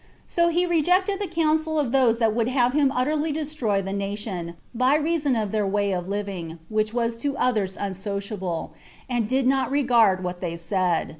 So he rejected the counsel of those that would have him utterly destroy the nation, 23 by reason of their way of living, which was to others unsociable, and did not regard what they said.